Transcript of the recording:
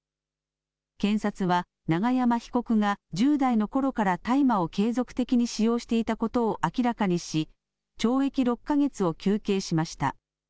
検察は永山被告が１０代のころから大麻を継続的に使用していたことを明らかにし懲役６か月を求刑しました。